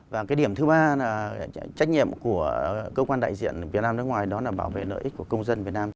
và cái điểm thứ ba là trách nhiệm của cơ quan đại diện việt nam nước ngoài đó là bảo vệ lợi ích của công dân việt nam